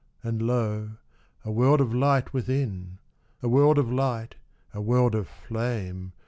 And lo, a world of light within ; A world of light, a world of flame.